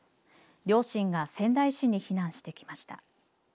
両親が仙台市に避難してきました。